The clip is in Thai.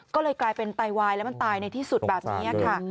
ก็เลยกลายเป็นไตวายแล้วมันตายในที่สุดแบบนี้ค่ะ